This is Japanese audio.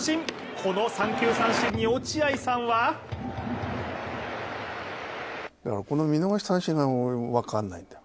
この三球三振に落合さんはこの見逃し三振が俺、分からないんだよ。